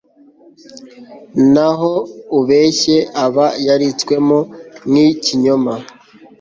naho ubeshye, aba yaritswemo n'ikinyoma